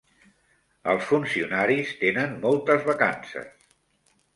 Els funcionaris tenen moltes vacances.